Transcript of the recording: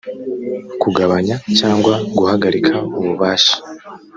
kugabanya cyangwa guhagarika ububasha